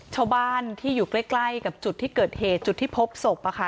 ชาวบ้านที่อยู่ใกล้ใกล้กับจุดที่เกิดเหตุจุดที่พบศพ